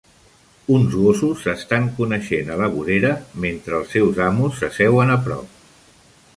Uns gossos s'estan coneixent a la vorera mentre els seus amos s'asseuen a prop.